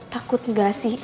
takut gak sih